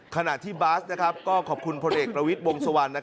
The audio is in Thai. ขณะที่บ๊าสนะครับก็ขอบคุณพระเอกประวิทย์วงศวร